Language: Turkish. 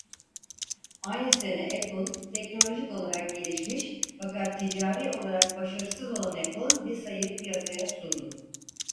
Aynı sene Apple teknolojik olarak gelişmiş fakat ticari olarak başarısız olan Apple Lisa'yı piyasaya sundu.